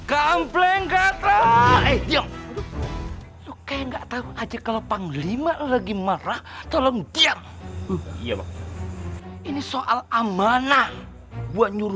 kamu nggak tahu aja kalau panglima lagi marah tolong diam ini soal amanah buat